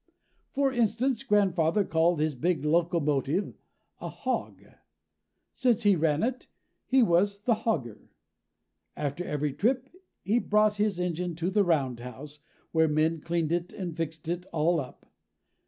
For instance, grandfather called his big locomotive a hog. Since he ran it, he was the hogger. After every trip, he brought his engine to the roundhouse, where men cleaned it and fixed it all up.